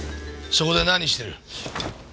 そこで何してる？